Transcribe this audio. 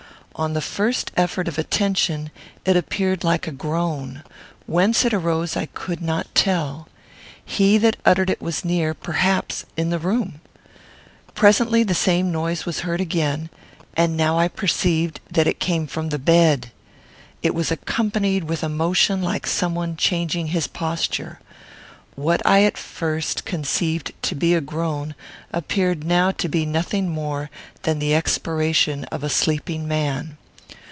On the first effort of attention, it appeared like a groan. Whence it arose I could not tell. He that uttered it was near; perhaps in the room. Presently the same noise was again heard, and now I perceived that it came from the bed. It was accompanied with a motion like some one changing his posture. What I at first conceived to be a groan appeared now to be nothing more than the expiration of a sleeping man.